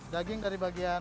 daging dari bagian